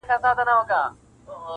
چي له غمه مي زړګی قلم قلم دی -